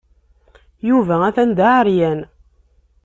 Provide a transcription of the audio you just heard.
Yuba atan d aɛeryan.